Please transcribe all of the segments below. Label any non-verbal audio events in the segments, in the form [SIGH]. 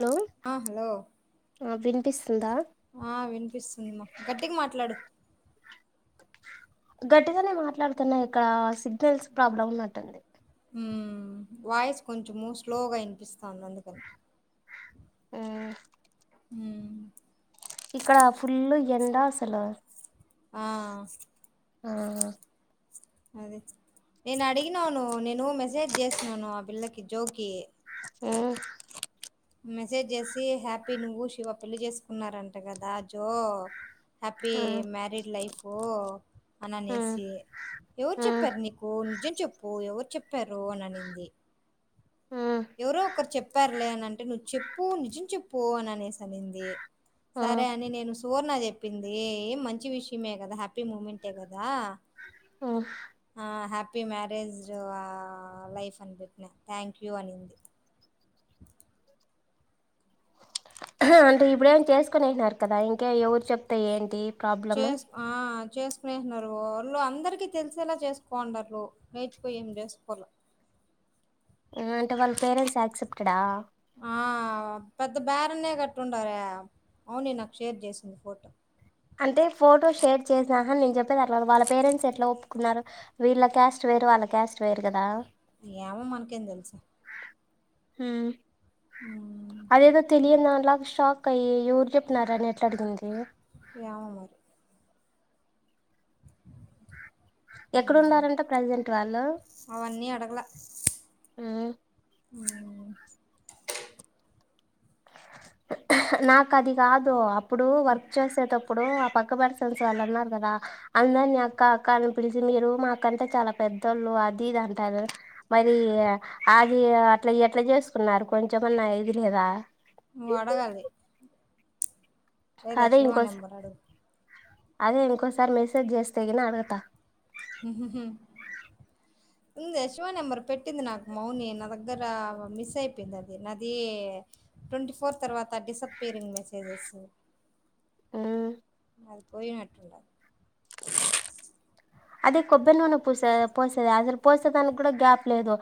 Hello ఆ hello ఆ వినిపిస్తుందా ఆ వినిపిస్తుందిమ్మా గట్టికి మాట్లాడు గట్టిగా నే మాట్లాడుతున్నా ఇక్కడ సిగ్నల్స్ ప్రాబ్లం ఉన్నట్టుంది మ్మ్ వాయిస్ కొంచెము స్లోగా వినిపిస్తాంది అందుకని మ్మ్ హ్మ్ ఇక్కడ ఫుల్లు ఎండ అసలు ఆ ఆ నేను అడిగినాను నేను మెసేజ్ చేసినాను ఆ పిల్లకి జోకి ఊ మెసేజ్ చేసి హ్యాపీ నువ్వు శివ పెళ్లి చేసుకున్నారంట కదా జో హ్యాపీ మ్మ్ మ్యారీడ్ లైఫ్ అని మ్మ్ అనేసి ఎవరు మ్మ్ చెప్పారు నీకు నిజం చెప్పు ఎవరు చెప్పు పెరు అని అనింది మ్మ్ ఎవరు ఒకరు చెప్పారు లే అని అంటే నువ్వు చెప్పు నిజం చెప్పు అని అనేసి అనింది మ్మ్ సరే అని నేను సు సువర్ణ చెప్పింది ఏం మంచి విషయమే కదా హ్యాపీ మూమెంటే కదా ఓహ్ ఆ హ్యాపీ మ్యారేజ్ లైఫ్ అన్బట్నా థ్యాంక్ యూ అనింది ఆ అంటే ఇప్పుడేం చేస్ కొనేస్నారు కదా ఇంకా ఎవరు చెప్తే ఏంటి ప్రాబ్లమ్ చేస్ ఆ చేసుకునేసినారు వాళ్ళు అందరికి తెలిసేలా చేసుకోండారు లేేచిపోయి ఏం చేసుకోల అంటే వాళ్ళ పేరెంట్స్ యాక్సెప్టెడా ఆ పెద్ద బారనే కట్టి ఉండారే అవును నాకు షేర్ చేసింది ఫోటో అంటే ఫోటో షేర్ చేసినాక నేను చెప్పేది అర్లాదు వాళ్ళ పేరెంట్స్ ఎట్లా ఒప్పుకున్నారు వీళ్ళ క్యాస్ట్ వేరు వాళ్ళ క్యాస్ట్ వేరు కదా ఏమో మనకేం తెలుసు హు ఉ అదేదో తెలియని దానిలాగా షాక్ అయ్యి ఎవరు చెప్పినారా అని ఎట్లా అడిగింది ఏమో మరి ఉమ్. ఎక్కడున్నారంట ప్రజెంట్ వాళ్ళు అవన్నీ హు ఉ నాకు అది కాదు ఇప్పుడు వర్క్ చేసే తప్పు ఇప్పుడు ఆ పక్క పర్సన్స్ వాళ్ళు అన్నారు అందరిని అక్క అక్క అని పిలిచి మీరు మా అక్క అంటే చాలా పెద్దోళ్ళు అది ఇది అంటారు మరి అది అట్లా ఎట్లా చేసుకున్నారు కొంచమన్న ఇది లేదా నువ్వు అడగాలి లేదా అదే శివా ఇంకోస నెంబర్ అడుగు అదే ఇంకోసారి మెసేజ్ చేస్తేగిన అడగుతా ఉంది శివ నెంబర్ పెట్టింది నాకు మౌని నా దగ్గర మిస్ అయిపోయింది అది నాది ట్వంటీ ఫోర్ తర్వాత డిసప్పరింగ్ మెసేజెస్ మ్మ్. అది పోయి నట్టు ఉండాది అదే కొబ్బరి నూనె పోసే పోసేది అసలు పోసేదానికి కూడా గ్యాప్ లేదు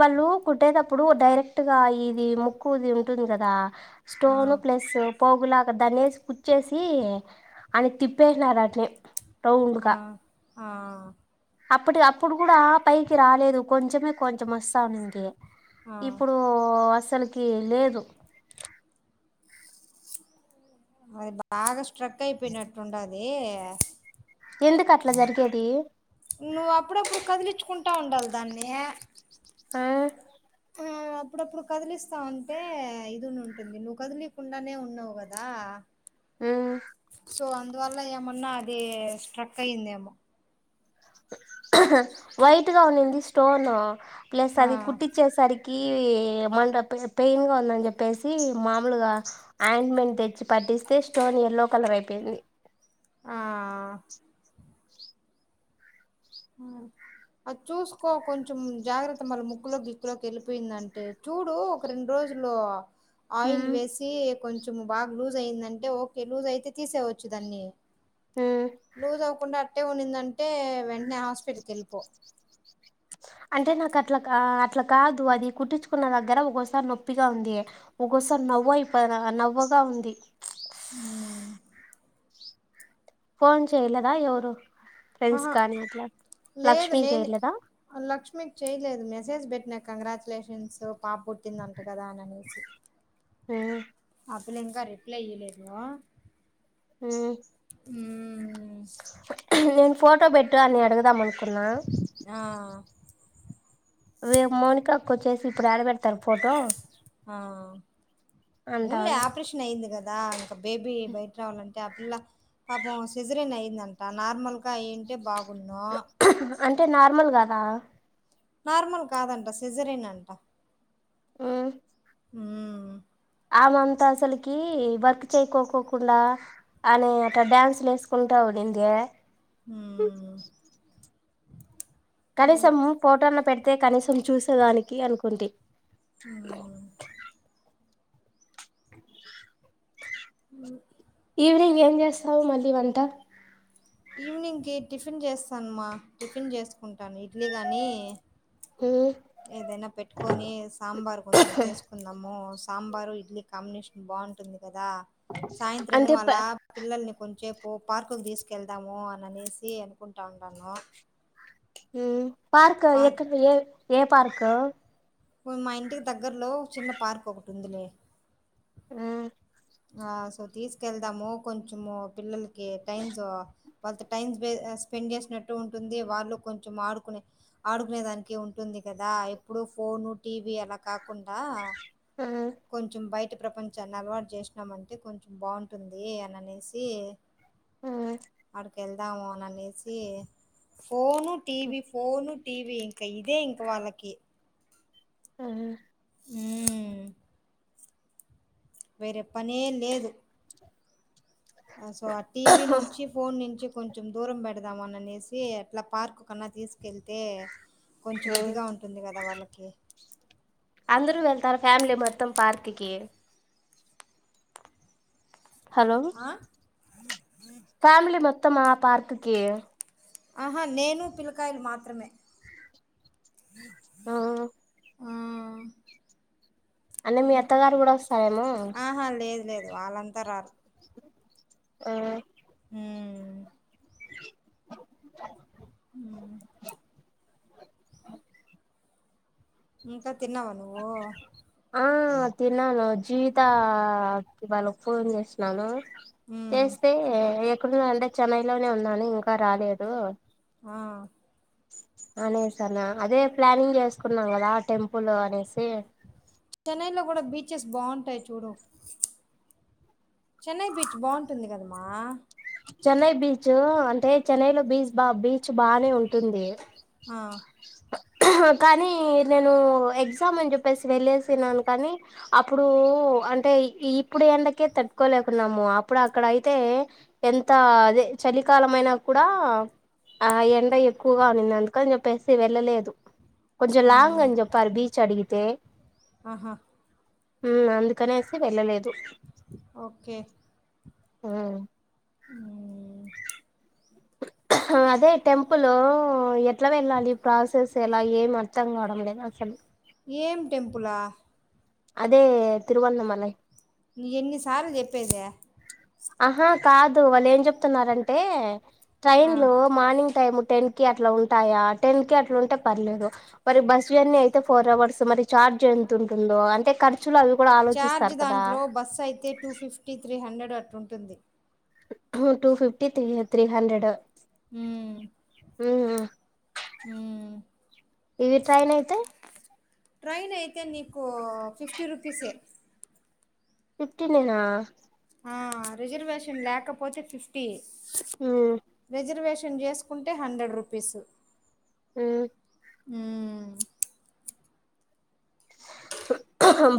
వాళ్ళు కుట్టేటప్పుడు డైరెక్ట్ గా ఇది ముక్కు ఇది ఉంటుంది కదా ఆ స్టోన్ ప్లస్ పోగులాక దనేసి కుచ్చేసి అది తిప్పేసినారు అట్లే [UNINTELLIGIBLE] ఆ ఆ అప్పటి అప్పుడు కూడా పైకి రాలేదు కొంచమే కొంచెం వస్తానింది ఆ ఇప్పుడు తనికి లేదు అది బాగా స్ట్రక్ అయిపోయినట్లుండాది ఏ ఎందుకు అట్లా జరిగేది నువ్వు అప్పుడప్పుడు కదిలించుకుంటా ఉండాలి దాన్ని ఆ ఆ అప్పుడప్పుడు కదిలిస్తాంటే ఇదిఉండి ఉంటుంది నువ్వు కదిలియకుండానే ఉన్నావు కదా ఆ సో అందువల్ల ఏమన్నా అది స్ట్రక్ అయ్యంద ఏమో వైట్ గా ఉనింది స్టోన్ ఆ పిలేసరి కుట్టిచ్చేసరికి పెయిన్గా ఉందని చెప్పేసి మామూలుగా ఆయింట్మెంట్ తెచ్చి పట్టిస్తే స్టోన్ ఎయల్లో కలర్ అయిపోయింది. ఆ అది చూసుకో కొంచెం జాగ్రత్త మళ్ళ ముక్కులో గిక్కులోకి వెళ్ళిపోయిందంటే చూడు ఒక రెండు రోజులు ఆయిల్ హ్మ్ వేసి కొంచెం బాగా లూజ్ అయిందంటే ఓకే లూజ్ అయితే తీసేయవొచ్చు దాన్ని హ్మ్ లూజ్ అవకుండా అట్టే ఉన్నిందంటే వెం టనే హాస్పిటల్ కి వెళ్ళిపో అంటే నాకు అట్లా అట్లా కాదు అది కుట్టించుకున్న దగ్గర ఒక్కోసారి నొప్పిగా ఉంది ఒక్కోసారి నవ్వ అయిపో నవ్వగా ఉంది అ ఫోన్ చేయలేదా ఎవరు ఫ్రెండ్స్ ఆహా కానీ అట్లా లక్ష్మీ చేయలేదా కి చేయలేదు మే మెసేజ్ పెట్టినా కంగ్రాచ్యులేషన్స్ పాప పుట్టింద అంట కదా అని అనేసి ఆ ఆ పిల్ల ఇంగా రిప్లై ఇయ్యలేదు హ ఉ బేస్ నేను ఫోటో బెట్టు అని అడుగుదాం అనుకున్నా ఆ వేప్ మొనికా అక్క వచ్చేసి ఇప్పుడు యాడ పేడతారు ఫోటో ఆ అంటా ఊన్లే ఉంది ఆపరేషన్ అయింది గద దా బేబీ బయట రావాలంటే పిల్ల పాపం సిజిరిన్ అయిందంటా నార్మల్గా అయింటే బాగున్ను అంటే నార్మల్ గాదా నార్మల్ కాదంట సిజరిన్ అంట హ్మ్మ్ ఉమ్మ్ ఆమంతా అసలికి వర్క్ చేయకోకోకుండా అనే అట్లా డాన్స్ లు వేసుకుంటా ఉండింది హుమ్మ్ కనీసమ్ ఫోటో అన్ పెట్ట్ తే కనీసం చూసేదానికి అనుకుంటి హ్మ్ం హ్మ్ ఈవినింగ్ ఏం చేస్తావు మళ్ళీ వంట ఈవినింగ్ కి టిఫిన్ చేస్తాన్ మ్మా టిఫిన్ చేసుకుంటాను ఇడ్లీ గాని మ్మ్ ఏదైనా పెట్టుకొని సాంబార్ కొంచెం చేసుకుందాము సాంబారు ఇడ్లీ కాంబినేషన్ బాగుంటుంది కదా సాయంత్రము అంటే ప అలా పిల్లల్ని కొంచెపు పో పార్క్ కి దీస్ వెళ్దాము అని అనేసి అనుకుంటా ఉండాను హ్మ్మ్ పార్కు ఎక్కడ పొయ్యేది ఏ పార్కు మా ఇంటికి దగ్గర్లో చిన్న పార్క్ ఒకటి ఉందిలే హ్మ్ ఆ సో తీసుకెళ్దాము కొంచెము పిల్లలికి టైమ్స్, వాళ్ళతో టైం స్పె ఆ స్పెండ్ జెస్నట్టు ఉంటుంది, వాళ్ళు కొంచెం ఆడుకునే ఆడుకునేదానికి ఉంటుంది కదా ఎప్పుడు ఫోను, టీవీ అలా కాకుండా మ్మ్ కొంచెం బై యటి ప్రపంచాన్ని అలవాటు జేస్నామంటే కొంచెం బావుంటుంది అని ననేసి మ్మ్ అర్త్ ఎళ్దాము అన్ ననేసి ఫోను టీవి ఫోను టీవీ ఇంక ఇదే ఇంక వాళ్ళకి ఆహ హ్మ్ వేరే పనే లేదు. అ సో ఆ టీవీ నుంచి ఫోన్ నుంచి కొంచెం దూరం పెడదాము అనిననేసి అట్ల పార్క్ కన్నా తీస్ ఎళ్తే కొంచెం మ్మ్ ఇదిగా ఉంటుంది కదా వాళ్ళకి టికి హలో ఆ ఫామిలీ మొత్తమా పార్కుకి ఆహా నేను పిల్కాయలు మాత్రమే ఆ ఆ అంనే మీ అత్తగారు కూడా వస్తారేమో వాళ్ళంత రార్. ఆ హ ఉ ఇంతా తిన్నావా నువ్వు ఆ తిన్నాను జీవితా క్ వాళ్ళకు ఫోన్ చేస్నాను. మ్మ్ చేస్తే ఎ కున్నాండే చెన్నైలోనే ఉన్నాను ఇంకా రాలేదు. ఆ అనేసన అదే ప్లానింగ్ చేసుకున్నాం కదా టెంపుల్ అనేసి చెన్నైలో కూడా బీచ్చెస్ బావుంటాయి చూడు చెన్నై బీచ్ బావుంటుంది కద మా చెన్నై బీచ్ అంటే చెన్నైలో బీచ్ బా బీచ్ బానే ఉంటుంది. ఆ కానీ నేను ఎగ్జామ్ అని చెప్పేసి వెళ్ళసినను కానీ అప్పుడు అంటే ఇప్పుడు ఎండకే తట్టుకోలేకున్నాము అప్పుడు అక్కడ అయితే ఎంత అదే చలికాలం అయినా కూడా ఆ ఎండ ఎక్కువగా ఉనింది అందుకని చెప్పేసి వెళ్ళలేదు కొంచెం లాంగ్ అ చెప్ప పారు బీచ్ అడిగిది తే ఆ హా అందుకనేసి వెళ్ళలేదు ఓకే ఆ అ అదే టెంపుల్ ఎ ఎట్లా వెళ్ళాలి ప్రాసెస్ ఇలా ఏం అర్థం కావడం లేదు అసలు ఏం టెంపులా అదే తిరువణమల ఎన్ని సార్ చెప్పేద ఆహా కాదు వాళ్ళు ఏం చెప్తున్నారంటే ఆ ట్రైన్లు మార్నింగ్ టైమ్ టెన్ కి అట్లా ఉంటాయా టెన్ కి అట్లా ఉంటే పర్లేదు మరి బస్ జర్నీ అయితే ఫోర్ అవర్స్ మరి చఛార్జ్ ఎంత ఉంటుందో అంటే క చఛార్జ్ దాంట్లో బస్సు అయితే టికెట్ త్రీ హండ్రెడ్ అ అట్టు ఉంటుంది టూ ఫిఫటీ తీ త్రీ హండ్రెడ్ హ హమ్ ఇవి టైన్ అయితే ట్రైన్ అయితే నీకు ఫిఫ్టీ రూపీసే ఇత్త నేనా ఆ రిజర్వేషన్ లేకపోతే ఫిఫ్టీ ఉమ్ రిజర్వేషన్ కొంచెం చేసుకుంటే హండ్రెడ్ రూపీస్ ఉమ్ ఉమ్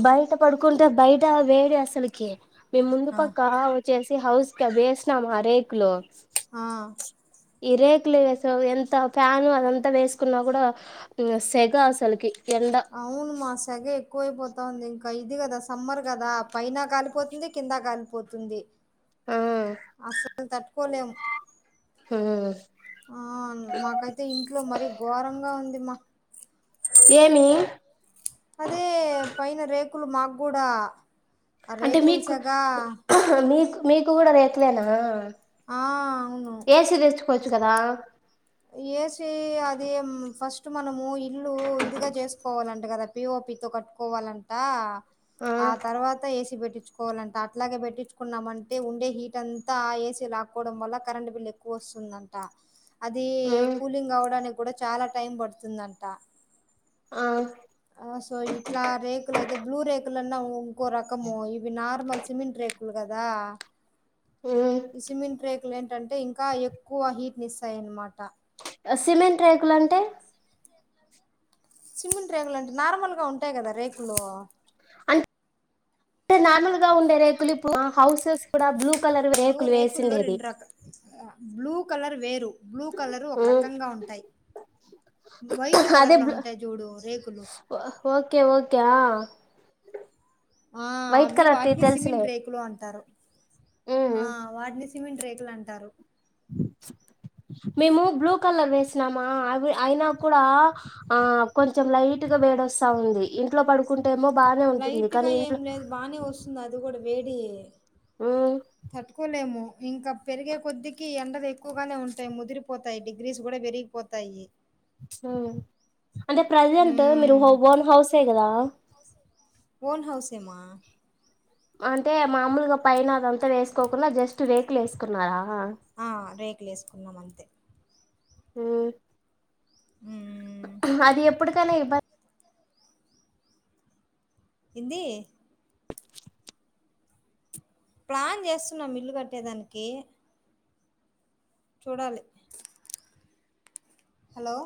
బయట పడుకుంటే బయట వేడి అసలుకి మే ముందు ఆ పక్కా వచ్చేస్త హస్ క బేసనా హరక్ లో ఆ ఈ రేకులు వేసా ఎంత ఫ్యాను అదంతా వేసుకున్నా కూడా సెగ అసలకి ఆవును మాసేగ ఎక్కువైపోతా ఉంది ఇంకా ఇది కదా సమ్మర్ కదా పైన కాలిపోతుంది కింద కాలిపోతుంది ఆ అసలు తట్టుకోలేము ఉమ్ ఆ మాకైతే ఇంట్లో మరీ ఘోరంగా ఉంది మా ఏమి అదే పైన రేకులు మాకు కూడా ఆ అంటే రేకులు మీకు సెగ మీకు మీకు కూడా అట్లేనా ఆ అవును ఏసీ తెచ్చుకోవచ్చు కదా ఏసి అది ఏం ఫస్ట్ మనము ఇల్లు ఇదిగా చేసుకోవాలండి కదా పిఓపితో కట్టుకోవాలంటా ఆ తర్వాత ఏసీ పెట్టి పెట్టించుకోవాలంట అట్లాగే పెట్టించుకున్నామంటే ఉండే హీట్ అంతా ఏసీ లాక్కోవడం వల్ల కరెంట్ బిల్ ఎక్కువ వస్తుందంట అది ఉమ్ కూలింగ్ కావడానికి కూడా చాలా టైం పడుతుందంట ఆ ఆ సో ఇట్లా రేక్లుయితే బ్లూ రేక్. నేనా వూ. క్కురకము ఇవి నార్మల్ సిమెంట్ రే. కూల్ కదా ఉమ్ ఇ సిమెంట్ రేక్ ఏంటంటే ఇంకా ఎక్కువ హీట్ ని ఇస్తాయి అనమాట సిమెంట్ రేకులు అంటే సిమెంట్ రేకులె అంటే నార్మల్ ఇ ఉంటాయి కదా రేకులు. అంటే నార్మూల్గా ఉండే రేకులి పు హౌసెస్ కూడా బ్లూ. కలర్ ఇప్పుడు రేకులు రేకుల్లో వేసిండేది రెండు రక బ్లూ కలర్ వేరు బ్లూ కలరు ఒక ఉమ్ రకంగా ఉంటాయి, వైట్ అదే కలర్లో ఉంటాయి జూడు రేకులు ఓకే ఓకే ఆ ఆ వైట్ అవి కలర్ టీ వాటిని తెలుసులే సిమింట్ రేకులు అంటారు ఉమ్ ఆ వాటిని సిమెంట్ రేకులు అంటారు మేము బ్లూ కలర్ వేసినామా అవి అయినా కూడా ఆ కొంచెం లైట్ గా వేడొస్తా ఉంది ఇంట్లో పడుకుంట. లైట్ గా ఏం లేదు బాగానే వస్తుంది అది కూడా వేడి. ఉమ్ తట్టుకోలేము ఇంకా పెరిగే కొద్దికి ఎండలు ఎక్కువగానే ఉంటాయి ముదిరిపోతాయి డిగ్రీస్ కూడా పెరిగిపోతాయి అంటే ప్రజెంట్ మీరు మ్మ్. ఓ ఓన్ హౌసే కదా ఓన్ హౌసే మా అంటే మామూలుగా పైన అదంతా వేసుకోకుండా జస్ట్ రేకులు వేసుకున్నారా. ఆ రేకులు వేసుకున్నాము అంతే ఉమ్ ఆ అది ఇప్పుడుకైనా ఇబ హిందీ ప్లాన్ చేస్తున్నాం ఇల్లు కట్టేదానికి చూడాలి హలో